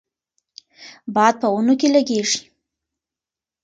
باد په ونو کې لګیږي.